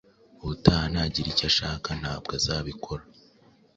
ubutaha nagira icyo ashaka nabwo azabikora